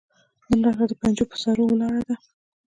نن راته د پنجو پهٔ سرو ولاړه ده